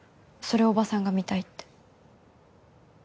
それをおばさんが見たいって。